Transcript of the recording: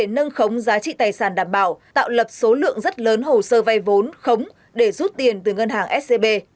nâng khống giá trị tài sản đảm bảo tạo lập số lượng rất lớn hồ sơ vay vốn khống để rút tiền từ ngân hàng scb